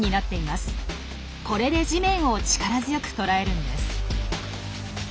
これで地面を力強くとらえるんです。